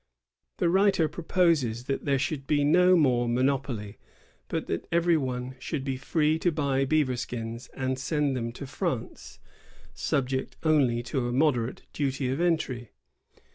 The writer proposes that there should be no more monopoly, but that everybody should be free to buy beaver skins and send them to France, subject only to a moderate duty of entry.